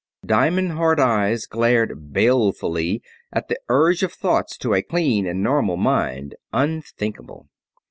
Diamond hard eyes glared balefully at the urge of thoughts to a clean and normal mind unthinkable.